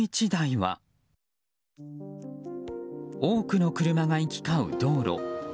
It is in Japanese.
多くの車が行き交う道路。